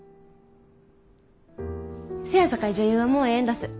せやさかい女優はもうええんだす。